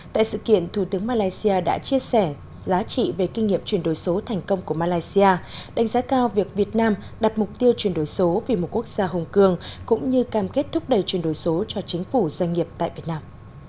tại sự kiện thủ tướng malaysia đã chia sẻ giá trị về kinh nghiệm chuyển đổi số thành công của malaysia đánh giá cao việc việt nam đặt mục tiêu chuyển đổi số vì một quốc gia hồng cường cũng như cam kết thúc đẩy chuyển đổi số cho chính phủ doanh nghiệp tại việt nam